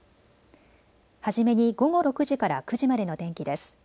初めに午後６時から９時までの天気です。